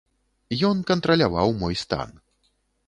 Ён кантраляваў мой стан.